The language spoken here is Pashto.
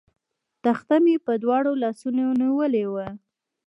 تخته مې په دواړو لاسونو نیولې وه.